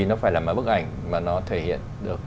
nó phải là một bức ảnh mà nó thể hiện được